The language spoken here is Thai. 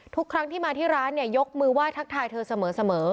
ทุกครั้งที่มาที่ร้านเนี่ยยกมือไหว้ทักทายเธอเสมอ